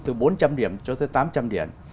từ bốn trăm linh điểm cho tới tám trăm linh điểm